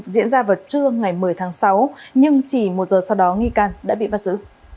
diễn ra vào trưa ngày một mươi tháng sáu nhưng chỉ một giờ sau đó nghi can đã bị bắt giữ